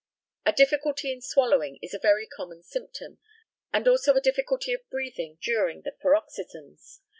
A difficulty in swallowing is a very common symptom, and also a difficulty of breathing during the paroxysms.